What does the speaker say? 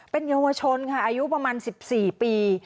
เป็นเยาวชนค่ะอายุประมาณ๑๔ปี